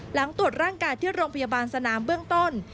หลังตรวจร่างกายที่โรงพยาบาลสนามเบื้องต้น